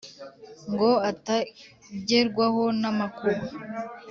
Ngo atagerwaho n amakuba